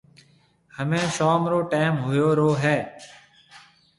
همَي شوم رو ٽيم هوئيو رو هيَ۔